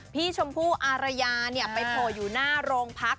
พี่ชมพู่อารยาเนี่ยไปโผล่อยู่หน้าโรงพัก